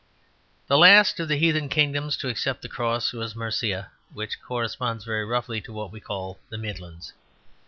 The last of the heathen kingdoms to accept the cross was Mercia, which corresponds very roughly to what we call the Midlands.